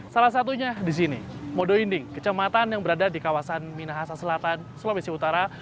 salah satunya di sini modo inding kecamatan yang berada di kawasan minahasa selatan sulawesi utara